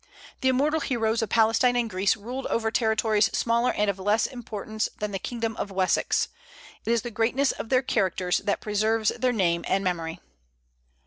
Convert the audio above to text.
The immortal heroes of Palestine and Greece ruled over territories smaller and of less importance than the kingdom of Wessex. It is the greatness of their characters that preserves their name and memory.